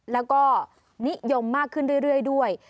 แล้วก็นิยมมากขึ้นเรื่อยด้วย